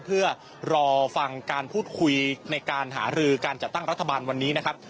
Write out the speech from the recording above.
เพื่อรอฟังการพูดคุยในการหารือการจัดตั้งรัฐบาลวันนี้นะครับ